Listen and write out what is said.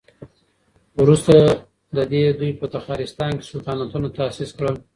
وروسته له دې دوی په تخارستان کې سلطنتونه تاسيس کړل